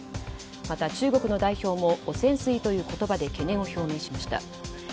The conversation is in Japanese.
また中国の代表も汚染水という言葉で懸念を表明しました。